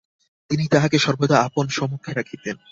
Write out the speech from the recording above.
তিনি তাহাকে সর্বদা আপন সমক্ষে রাখিতেন।